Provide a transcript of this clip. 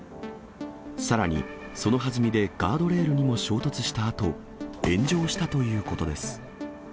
さらに、そのはずみでガードレールにも衝突したあと、炎上したということです。